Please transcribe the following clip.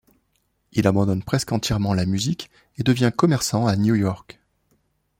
Il abandonne presque entièrement la musique et devient commerçant à New York.